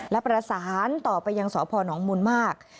และประสานต่อไปยังสอบพ่อหนองบุญมาก